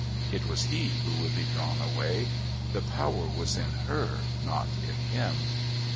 It was he who would be drawn away. The power was in her, not in him....